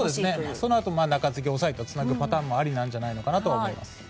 そのあと中継ぎを抑えてつなぐパターンもありかなと思います。